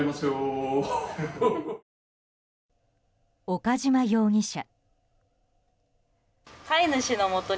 岡島容疑者。